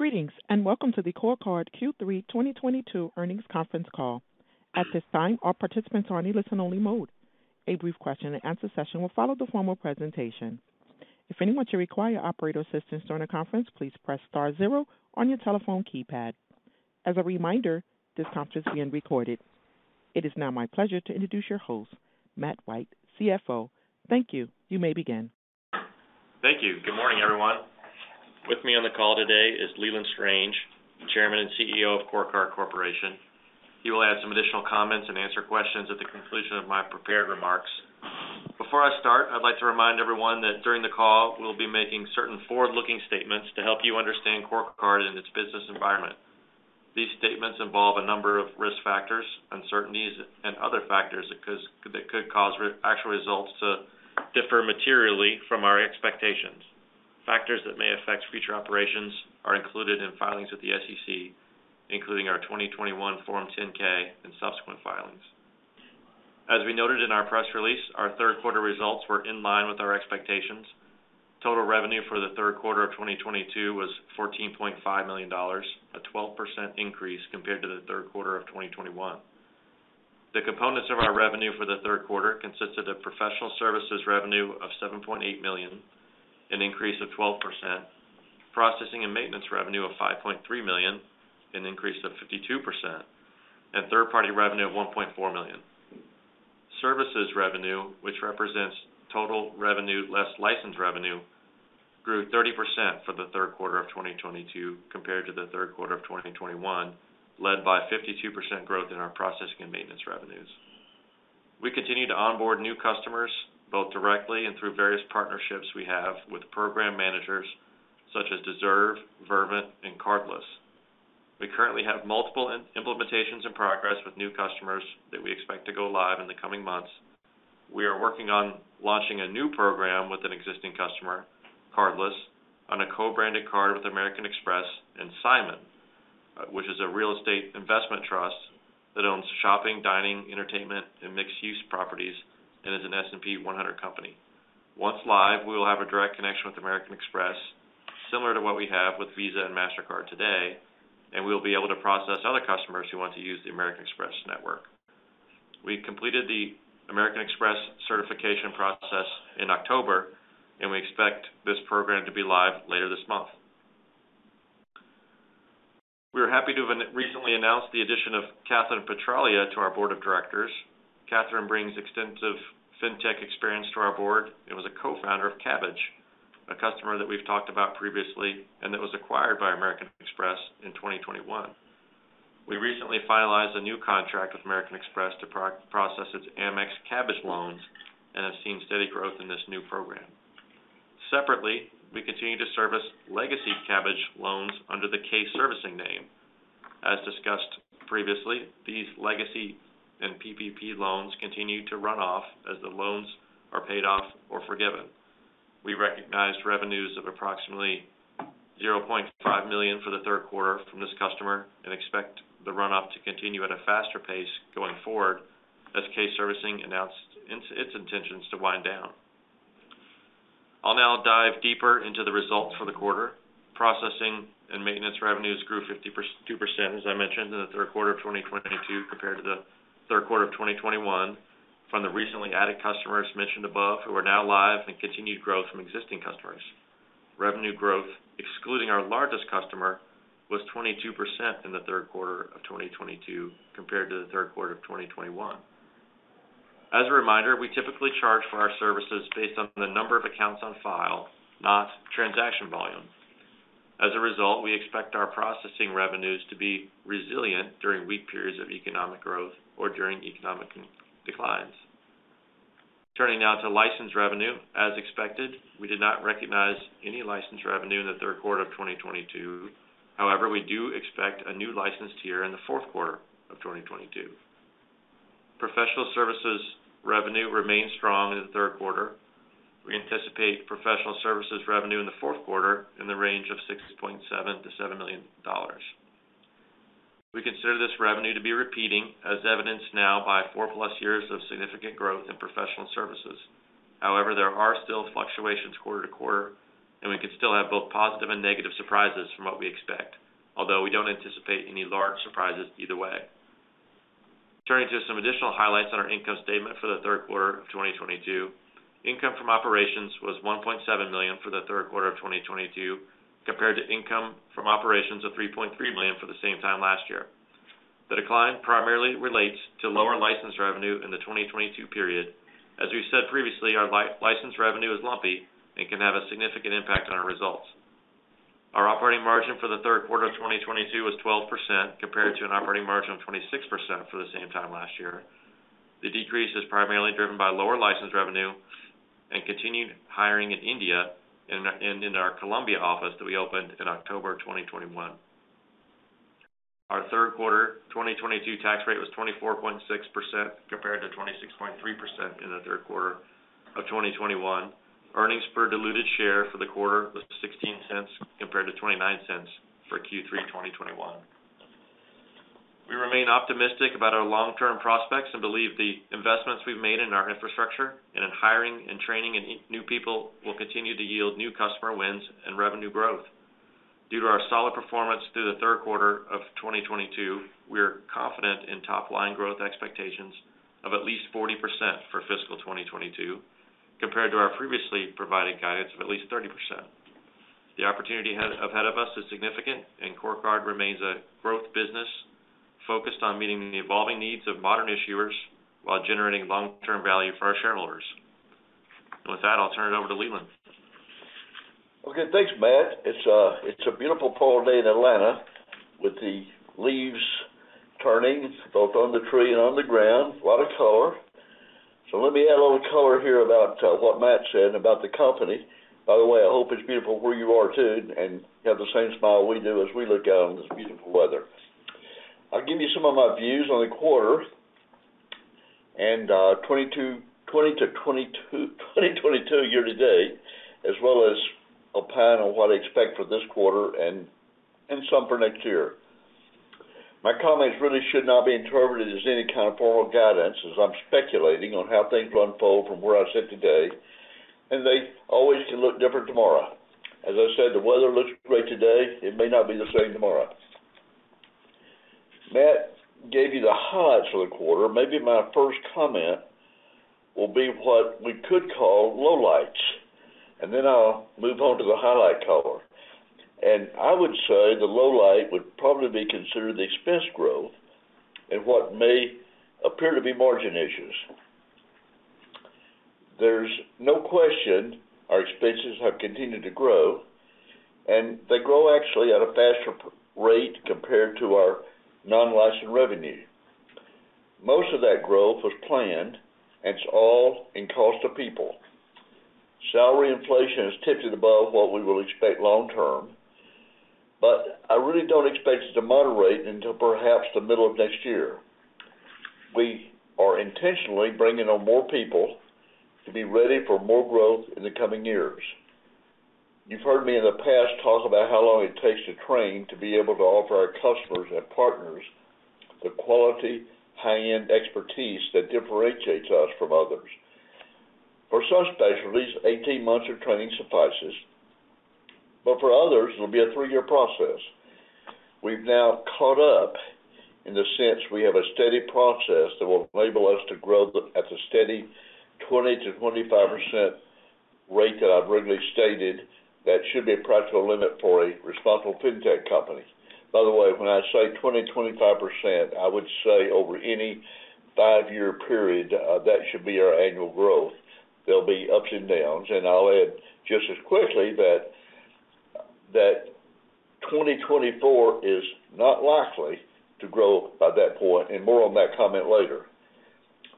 Greetings, and welcome to the CoreCard Q3 2022 earnings conference call. At this time, all participants are in a listen-only mode. A brief question and answer session will follow the formal presentation. If anyone should require operator assistance during the conference, please press star zero on your telephone keypad. As a reminder, this conference is being recorded. It is now my pleasure to introduce your host, Matt White, CFO. Thank you. You may begin. Thank you. Good morning, everyone. With me on the call today is Leland Strange, Chairman and CEO of CoreCard Corporation. He will add some additional comments and answer questions at the conclusion of my prepared remarks. Before I start, I'd like to remind everyone that during the call, we'll be making certain forward-looking statements to help you understand CoreCard and its business environment. These statements involve a number of risk factors, uncertainties, and other factors that could cause actual results to differ materially from our expectations. Factors that may affect future operations are included in filings with the SEC, including our 2021 Form 10-K and subsequent filings. As we noted in our press release, our third quarter results were in line with our expectations. Total revenue for the third quarter of 2022 was $14.5 million, a 12% increase compared to the third quarter of 2021. The components of our revenue for the third quarter consisted of Professional Services revenue of $7.8 million, an increase of 12%, Processing and Maintenance revenue of $5.3 million, an increase of 52%, and third-party revenue of $1.4 million. Services revenue, which represents total revenue less license revenue, grew 30% for the third quarter of 2022 compared to the third quarter of 2021, led by 52% growth in our Processing and Maintenance revenues. We continue to onboard new customers, both directly and through various partnerships we have with program managers such as Deserve, Vervent, and Cardless. We currently have multiple implementations in progress with new customers that we expect to go live in the coming months. We are working on launching a new program with an existing customer, Cardless, on a co-branded card with American Express and Simon, which is a real estate investment trust that owns shopping, dining, entertainment, and mixed-use properties, and is an S&P 100 company. Once live, we will have a direct connection with American Express, similar to what we have with Visa and Mastercard today, and we will be able to process other customers who want to use the American Express network. We completed the American Express certification process in October, and we expect this program to be live later this month. We are happy to have recently announced the addition of Kathryn Petralia to our board of directors. Kathryn brings extensive fintech experience to our board and was a co-founder of Kabbage, a customer that we've talked about previously and that was acquired by American Express in 2021. We recently finalized a new contract with American Express to process its Amex Kabbage loans and have seen steady growth in this new program. Separately, we continue to service legacy Kabbage loans under the KServicing name. As discussed previously, these legacy and PPP loans continue to run off as the loans are paid off or forgiven. We recognized revenues of approximately $0.5 million for the third quarter from this customer and expect the runoff to continue at a faster pace going forward as KServicing announced its intentions to wind down. I'll now dive deeper into the results for the quarter. Processing and maintenance revenues grew 52%, as I mentioned, in the third quarter of 2022 compared to the third quarter of 2021 from the recently added customers mentioned above, who are now live and continued growth from existing customers. Revenue growth, excluding our largest customer, was 22% in the third quarter of 2022 compared to the third quarter of 2021. As a reminder, we typically charge for our services based on the number of accounts on file, not transaction volume. As a result, we expect our processing revenues to be resilient during weak periods of economic growth or during economic declines. Turning now to license revenue. As expected, we did not recognize any license revenue in the third quarter of 2022. However, we do expect a new license tier in the fourth quarter of 2022. Professional Services revenue remained strong in the third quarter. We anticipate Professional Services revenue in the fourth quarter in the range of $6.7 million-$7 million. We consider this revenue to be repeating, as evidenced now by 4+ years of significant growth in professional services. However, there are still fluctuations quarter to quarter, and we could still have both positive and negative surprises from what we expect, although we don't anticipate any large surprises either way. Turning to some additional highlights on our income statement for the third quarter of 2022. Income from operations was $1.7 million for the third quarter of 2022 compared to income from operations of $3.3 million for the same time last year. The decline primarily relates to lower license revenue in the 2022 period. As we've said previously, our license revenue is lumpy and can have a significant impact on our results. Our operating margin for the third quarter of 2022 was 12% compared to an operating margin of 26% for the same time last year. The decrease is primarily driven by lower license revenue and continued hiring in India and in our Colombia office that we opened in October 2021. Our third quarter 2022 tax rate was 24.6% compared to 26.3% in the third quarter of 2021. Earnings per diluted share for the quarter was $0.16 compared to $0.29 for Q3 2021. We remain optimistic about our long-term prospects and believe the investments we've made in our infrastructure and in hiring and training new people will continue to yield new customer wins and revenue growth. Due to our solid performance through the third quarter of 2022, we are confident in top-line growth expectations of at least 40% for fiscal 2022, compared to our previously provided guidance of at least 30%. The opportunity ahead of us is significant, and CoreCard remains a growth business focused on meeting the evolving needs of modern issuers while generating long-term value for our shareholders. With that, I'll turn it over to Leland. Okay, thanks, Matt. It's a beautiful fall day in Atlanta with the leaves turning both on the tree and on the ground. A lot of color. Let me add a little color here about what Matt said about the company. By the way, I hope it's beautiful where you are too, and you have the same smile we do as we look out on this beautiful weather. I'll give you some of my views on the quarter and 2022 year-to-date, as well as opine on what to expect for this quarter and some for next year. My comments really should not be interpreted as any kind of formal guidance, as I'm speculating on how things will unfold from where I sit today, and they always can look different tomorrow. As I said, the weather looks great today. It may not be the same tomorrow. Matt gave you the highlights for the quarter. Maybe my first comment will be what we could call lowlights, and then I'll move on to the highlights. I would say the lowlight would probably be considered the expense growth and what may appear to be margin issues. There's no question our expenses have continued to grow, and they grow actually at a faster pace compared to our non-license revenue. Most of that growth was planned, and it's all in cost of people. Salary inflation has tipped it above what we will expect long term, but I really don't expect it to moderate until perhaps the middle of next year. We are intentionally bringing on more people to be ready for more growth in the coming years. You've heard me in the past talk about how long it takes to train to be able to offer our customers and partners the quality, high-end expertise that differentiates us from others. For some specialties, 18 months of training suffices, but for others, it'll be a three-year process. We've now caught up in the sense we have a steady process that will enable us to grow at the steady 20%-25% rate that I've regularly stated that should be a practical limit for a responsible fintech company. By the way, when I say 20%-25%, I would say over any five-year period, that should be our annual growth. There'll be ups and downs, and I'll add just as quickly that 2024 is not likely to grow by that point, and more on that comment later.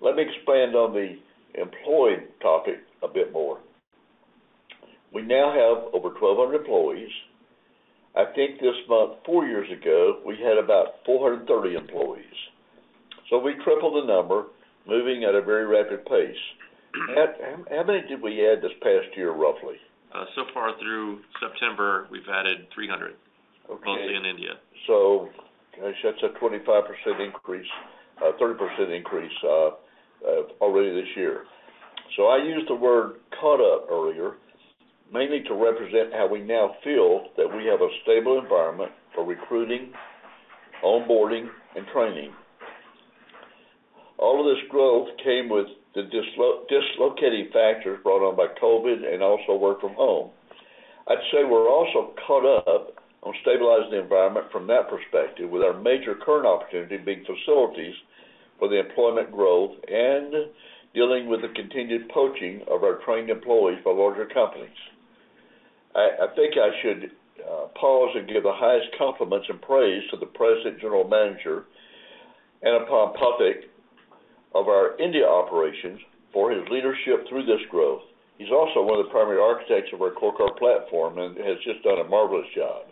Let me expand on the employee topic a bit more. We now have over 1,200 employees. I think this month, four years ago, we had about 430 employees. We tripled the number, moving at a very rapid pace. Matt, how many did we add this past year, roughly? So far through September, we've added 300. Okay. Mostly in India. I guess that's a 25% increase, 30% increase already this year. I used the word caught up earlier, mainly to represent how we now feel that we have a stable environment for recruiting, onboarding, and training. All of this growth came with the dislocating factors brought on by COVID and also work from home. I'd say we're also caught up on stabilizing the environment from that perspective with our major current opportunity being facilities for the employment growth and dealing with the continued poaching of our trained employees by larger companies. I think I should pause and give the highest compliments and praise to the present General Manager, Anupam Pathak of our India operations for his leadership through this growth. He's also one of the primary architects of our CoreCard platform and has just done a marvelous job.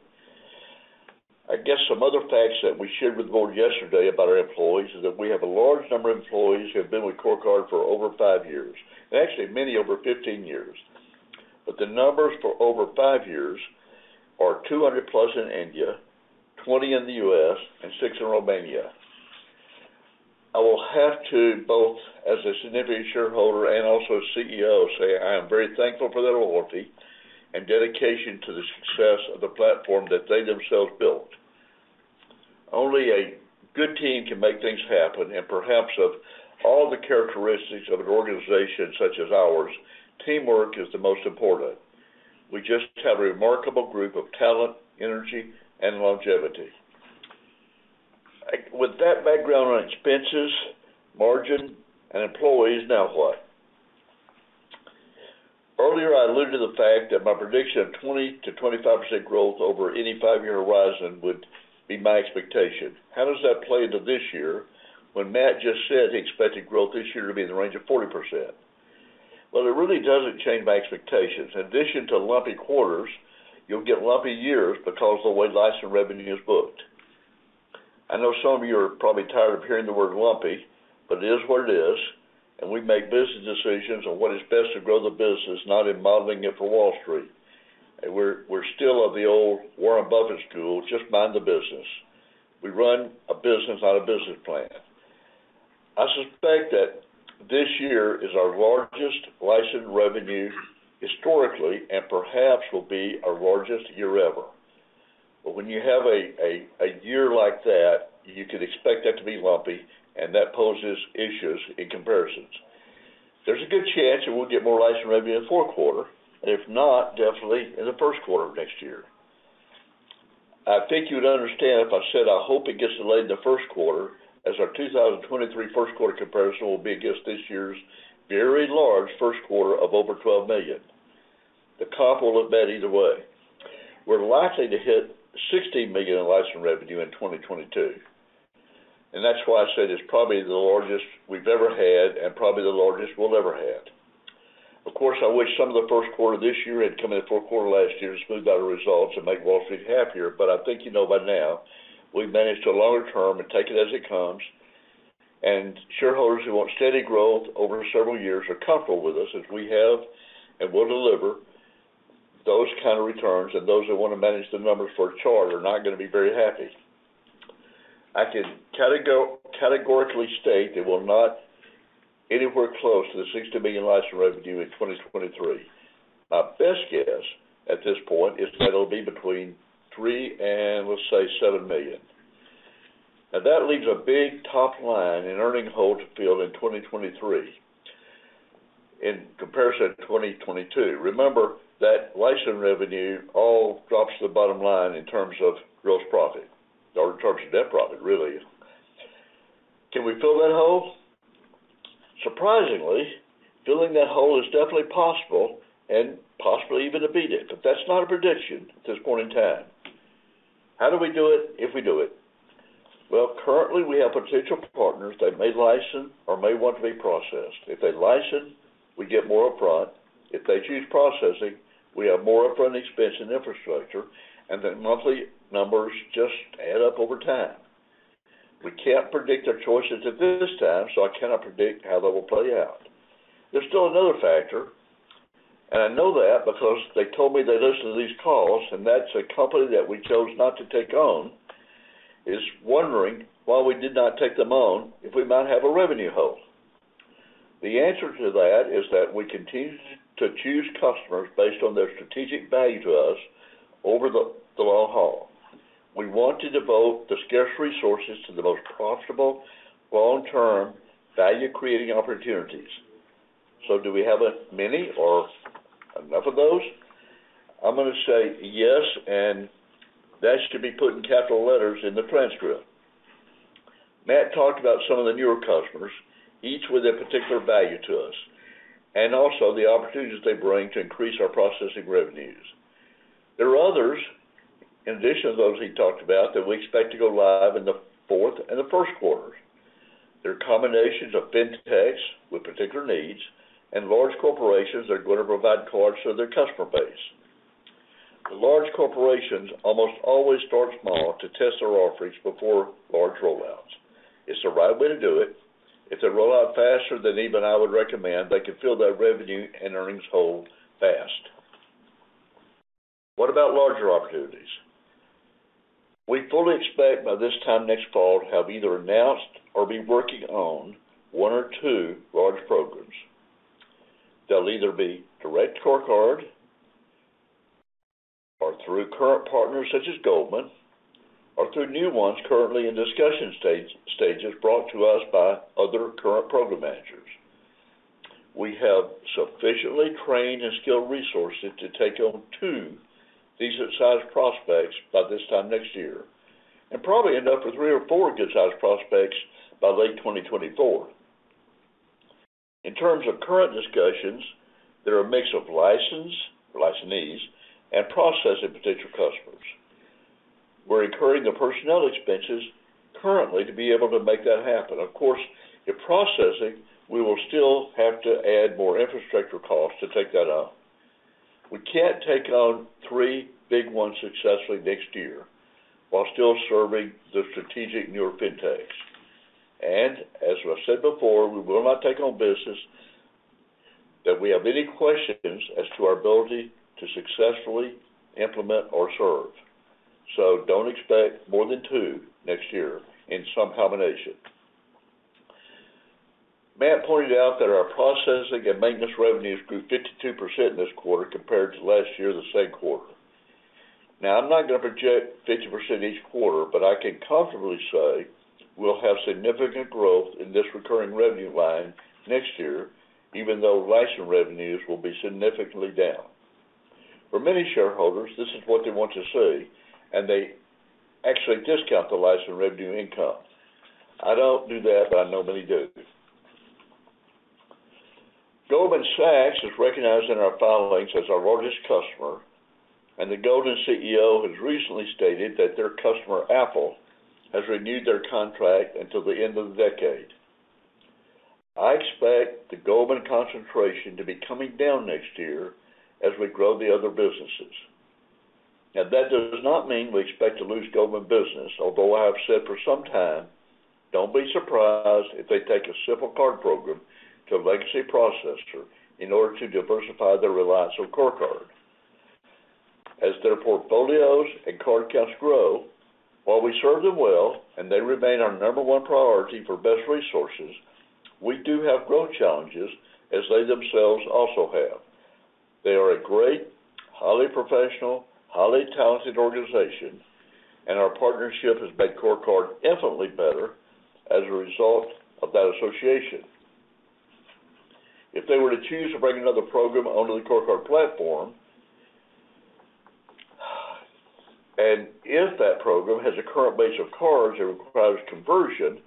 I guess some other facts that we shared with the board yesterday about our employees is that we have a large number of employees who have been with CoreCard for over five years, and actually many over 15 years. The numbers for over five years are 200+ in India, 20 in the U.S., and six in Romania. I will have to, both as a significant shareholder and also as CEO, say I am very thankful for their loyalty and dedication to the success of the platform that they themselves built. Only a good team can make things happen, and perhaps of all the characteristics of an organization such as ours, teamwork is the most important. We just have a remarkable group of talent, energy, and longevity. With that background on expenses, margin, and employees, now what? Earlier, I alluded to the fact that my prediction of 20%-25% growth over any five-year horizon would be my expectation. How does that play into this year when Matt just said he expected growth this year to be in the range of 40%? Well, it really doesn't change my expectations. In addition to lumpy quarters, you'll get lumpy years because the way licensed revenue is booked. I know some of you are probably tired of hearing the word lumpy, but it is what it is, and we make business decisions on what is best to grow the business, not in modeling it for Wall Street. We're still of the old Warren Buffett school, just mind the business. We run a business, not a business plan. I suspect that this year is our largest licensed revenue historically and perhaps will be our largest year ever. When you have a year like that, you could expect that to be lumpy and that poses issues in comparisons. There's a good chance that we'll get more license revenue in the fourth quarter, and if not, definitely in the first quarter of next year. I think you would understand if I said I hope it gets delayed to the first quarter as our 2023 first quarter comparison will be against this year's very large first quarter of over $12 million. The comp will look bad either way. We're likely to hit $16 million in license revenue in 2022, and that's why I said it's probably the largest we've ever had and probably the largest we'll ever have. Of course, I wish some of the first quarter this year had come in the fourth quarter last year to smooth out our results and make Wall Street happier. I think you know by now we've managed to longer term and take it as it comes. Shareholders who want steady growth over several years are comfortable with us as we have and will deliver those kind of returns, and those that want to manage the numbers for a chart are not gonna be very happy. I can categorically state it will not anywhere close to the $60 million license revenue in 2023. Our best guess at this point is that it'll be between $3 million and, let's say, $7 million. Now, that leaves a big top line and earnings hole to fill in 2023 in comparison to 2022. Remember that license revenue all drops to the bottom line in terms of gross profit or in terms of net profit, really. Can we fill that hole? Surprisingly, filling that hole is definitely possible and possibly even to beat it, but that's not a prediction at this point in time. How do we do it if we do it? Well, currently, we have potential partners that may license or may want to be processed. If they license, we get more upfront. If they choose processing, we have more upfront expense and infrastructure, and the monthly numbers just add up over time. We can't predict their choices at this time, so I cannot predict how that will play out. There's still another factor, and I know that because they told me they listen to these calls, and that's a company that we chose not to take on, is wondering why we did not take them on if we might have a revenue hole. The answer to that is that we continue to choose customers based on their strategic value to us over the long haul. We want to devote the scarce resources to the most profitable long-term value-creating opportunities. Do we have a many or enough of those? I'm gonna say yes, and that's to be put in capital letters in the transcript. Matt talked about some of the newer customers, each with a particular value to us, and also the opportunities they bring to increase our processing revenues. There are others, in addition to those he talked about, that we expect to go live in the fourth and the first quarters. They're combinations of fintechs with particular needs and large corporations that are gonna provide cards to their customer base. The large corporations almost always start small to test their offerings before large rollouts. It's the right way to do it. If they roll out faster than even I would recommend, they can fill that revenue and earnings hole fast. What about larger opportunities? We fully expect by this time next fall to have either announced or be working on one or two large programs. They'll either be direct to our card or through current partners such as Goldman Sachs or through new ones currently in discussion stages brought to us by other current program managers. We have sufficiently trained and skilled resources to take on two decent-sized prospects by this time next year, and probably enough for three or four good-sized prospects by late 2024. In terms of current discussions, they're a mix of licensees and processing potential customers. We're incurring the personnel expenses currently to be able to make that happen. Of course, in processing, we will still have to add more infrastructure costs to take that on. We can't take on three big ones successfully next year while still serving the strategic newer fintechs. As I said before, we will not take on business that we have any questions as to our ability to successfully implement or serve. Don't expect more than two next year in some combination. Matt pointed out that our processing and maintenance revenues grew 52% this quarter compared to last year the same quarter. Now, I'm not gonna project 50% each quarter, but I can comfortably say we'll have significant growth in this recurring revenue line next year, even though license revenues will be significantly down. For many shareholders, this is what they want to see, and they actually discount the license revenue income. I don't do that, but I know many do. Goldman Sachs is recognized in our filings as our largest customer, and the Goldman CEO has recently stated that their customer, Apple, has renewed their contract until the end of the decade. I expect the Goldman concentration to be coming down next year as we grow the other businesses. Now, that does not mean we expect to lose Goldman business, although I have said for some time, don't be surprised if they take a simple card program to a legacy processor in order to diversify their reliance on CoreCard. As their portfolios and card counts grow, while we serve them well and they remain our number one priority for best resources, we do have growth challenges as they themselves also have. They are a great, highly professional, highly talented organization, and our partnership has made CoreCard infinitely better as a result of that association. If they were to choose to bring another program under the CoreCard platform, and if that program has a current base of cards that requires conversion,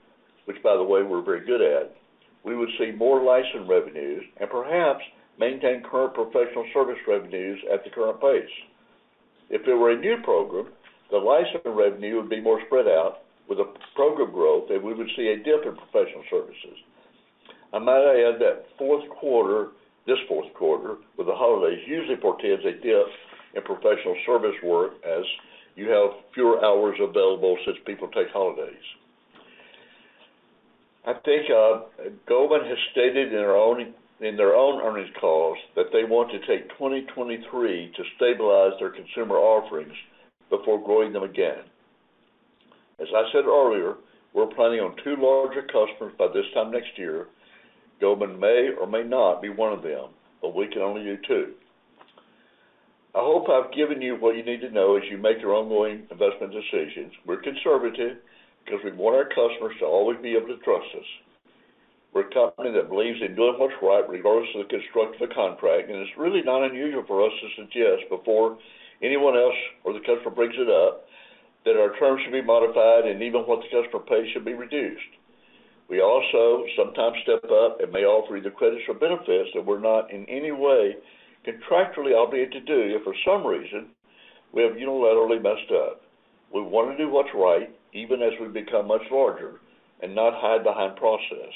which, by the way, we're very good at, we would see more licensing revenues and perhaps maintain current professional services revenues at the current pace. If it were a new program, the licensing revenue would be more spread out with a program growth than we would see a dip in professional services. I might add that fourth quarter with the holidays usually portends a dip in professional service work as you have fewer hours available since people take holidays. I think Goldman has stated in their own earnings calls that they want to take 2023 to stabilize their consumer offerings before growing them again. As I said earlier, we're planning on two larger customers by this time next year. Goldman may or may not be one of them, but we can only do two. I hope I've given you what you need to know as you make your ongoing investment decisions. We're conservative because we want our customers to always be able to trust us. We're a company that believes in doing what's right regardless of the construct of the contract, and it's really not unusual for us to suggest before anyone else or the customer brings it up that our terms should be modified and even what the customer pays should be reduced. We also sometimes step up and may offer either credits or benefits that we're not in any way contractually obligated to do if for some reason we have unilaterally messed up. We want to do what's right even as we become much larger and not hide behind process.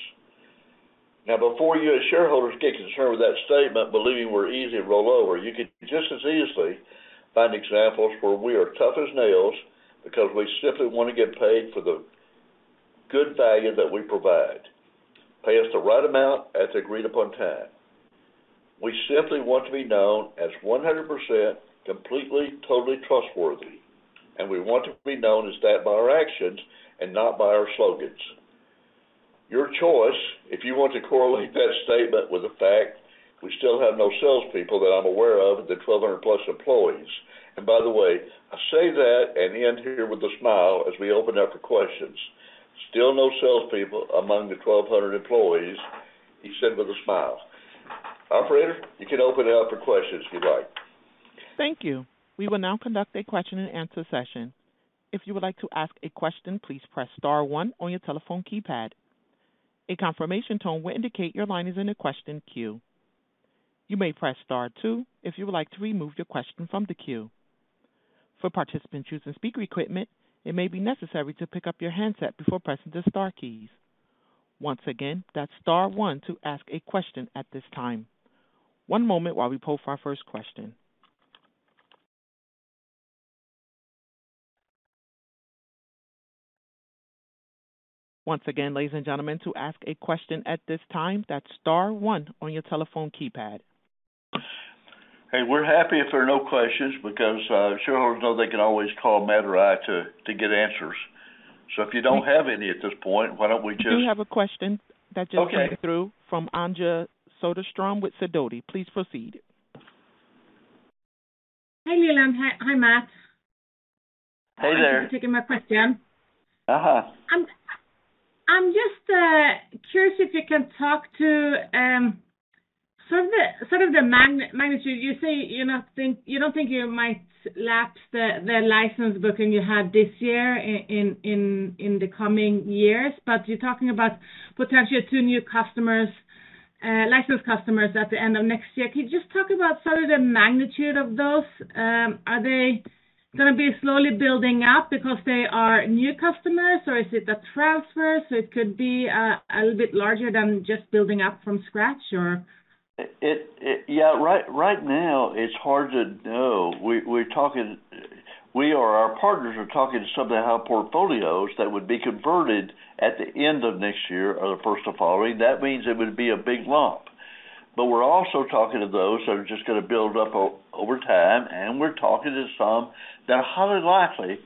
Now, before you as shareholders get concerned with that statement, believing we're easy to roll over, you could just as easily find examples where we are tough as nails because we simply want to get paid for the good value that we provide. Pay us the right amount at the agreed-upon time. We simply want to be known as 100% completely, totally trustworthy, and we want to be known as that by our actions and not by our slogans. Your choice if you want to correlate that statement with the fact we still have no salespeople that I'm aware of the 1,200+ employees. By the way, I say that and end here with a smile as we open up for questions. Still no salespeople among the 1,200 employees, he said with a smile. Operator, you can open it up for questions if you like. Thank you. We will now conduct a question-and-answer session. If you would like to ask a question, please press star one on your telephone keypad. A confirmation tone will indicate your line is in the question queue. You may press star two if you would like to remove your question from the queue. For participants using speaker equipment, it may be necessary to pick up your handset before pressing the star keys. Once again, that's star one to ask a question at this time. One moment while we poll for our first question. Once again, ladies and gentlemen, to ask a question at this time, that's star one on your telephone keypad. Hey, we're happy if there are no questions because shareholders know they can always call Matt or I to get answers. If you don't have any at this point, why don't we just- We have a question. Okay. Came through from Anja Soderstrom with Sidoti. Please proceed. Hey, Leland. Hi, Matt. Hey, there. Thanks for taking my question. Uh-huh. I'm just curious if you can talk about sort of the magnitude. You say you don't think you might lapse the license booking you had this year in the coming years, but you're talking about potentially two new customers, license customers at the end of next year. Can you just talk about sort of the magnitude of those? Are they gonna be slowly building up because they are new customers, or is it a transfer, so it could be a little bit larger than just building up from scratch or? Yeah. Right now it's hard to know. We or our partners are talking to some that have portfolios that would be converted at the end of next year or the first of following. That means it would be a big lump. We're also talking to those that are just gonna build up over time, and we're talking to some that are highly likely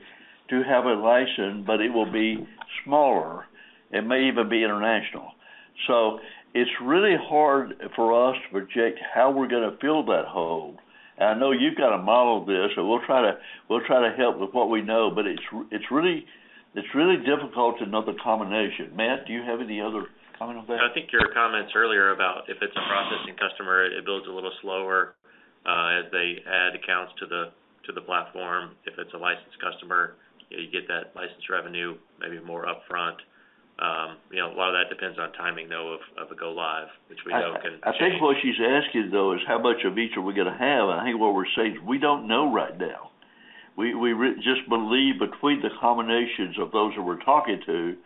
to have a license, but it will be smaller. It may even be international. It's really hard for us to project how we're gonna fill that hole. I know you've got to model this, and we'll try to help with what we know. It's really difficult to know the combination. Matt, do you have any other comment on that? I think your comments earlier about if it's a processing customer, it builds a little slower, as they add accounts to the platform. If it's a licensed customer, you get that license revenue maybe more upfront. You know, a lot of that depends on timing, though, of a go-live, which we know can change. I think what she's asking, though, is how much of each are we gonna have. I think what we're saying is we don't know right now. We just believe between the combinations of those who we're talking to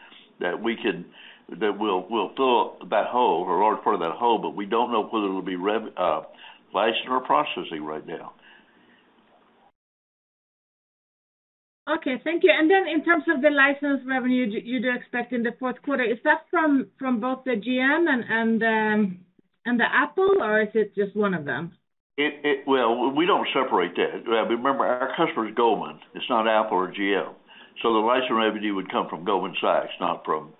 that we'll fill that hole or a large part of that hole, but we don't know whether it'll be licensing or processing right now. Okay, thank you. In terms of the license revenue you do expect in the fourth quarter, is that from both the GM and the Apple, or is it just one of them? Well, we don't separate that. Remember, our customer is Goldman. It's not Apple or GM. So the license revenue would come from Goldman Sachs, not from...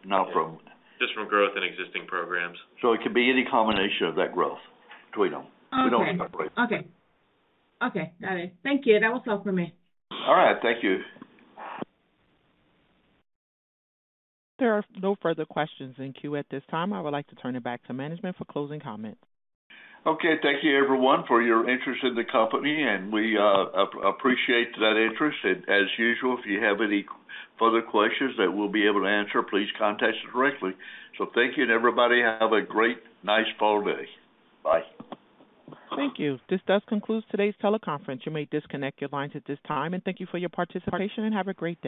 Just from growth in existing programs. It could be any combination of that growth between them. Okay. We don't separate. Okay. Okay, got it. Thank you. That was all for me. All right. Thank you. There are no further questions in queue at this time. I would like to turn it back to management for closing comments. Okay. Thank you, everyone, for your interest in the company, and we appreciate that interest. As usual, if you have any further questions that we'll be able to answer, please contact us directly. Thank you, and everybody, have a great, nice fall day. Bye. Thank you. This does conclude today's teleconference. You may disconnect your lines at this time. Thank you for your participation, and have a great day.